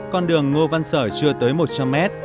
con đường ngô văn sở chưa tới một trăm linh mét